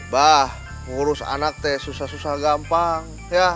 bah ngurus anak teh susah susah gampang